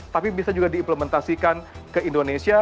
tapi bisa juga diimplementasikan ke indonesia